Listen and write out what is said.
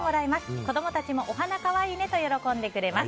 子供たちもお花可愛いねと喜んでくれます。